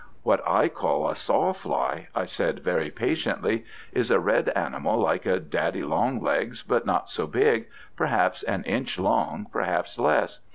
'What I call a sawfly,' I said very patiently, 'is a red animal, like a daddy longlegs, but not so big, perhaps an inch long, perhaps less.